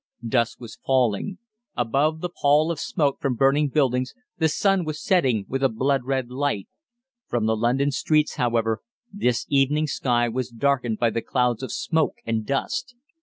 Dusk was falling. Above the pall of smoke from burning buildings the sun was setting with a blood red light. From the London streets, however, this evening sky was darkened by the clouds of smoke and dust.